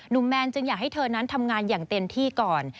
แมนจึงอยากให้เธอนั้นทำงานอย่างเต็มที่ก่อน